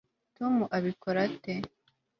tom abikora ate